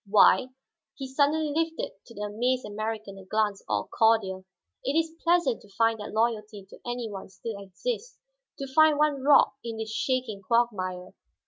Why," he suddenly lifted to the amazed American a glance all cordial, "it is pleasant to find that loyalty to any one still exists, to find one rock in this shaking quagmire.